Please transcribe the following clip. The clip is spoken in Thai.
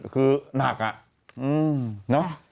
คือหนักน่ะ